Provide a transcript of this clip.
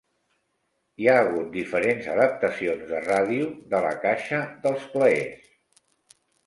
Hi ha hagut diferents adaptacions de ràdio de "La caixa dels plaers".